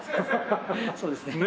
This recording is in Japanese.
そうですね。